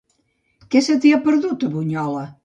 Què se t'hi ha perdut, a Bunyola?